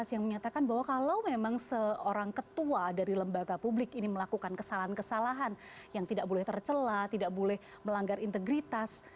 yang menyatakan bahwa kalau memang seorang ketua dari lembaga publik ini melakukan kesalahan kesalahan yang tidak boleh tercelah tidak boleh melanggar integritas